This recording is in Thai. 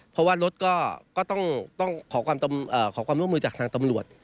เพราะว่ารถก็ต้องขอความร่วมมือจากทางตำรวจ